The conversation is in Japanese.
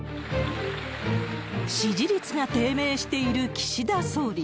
支持率が低迷している岸田総理。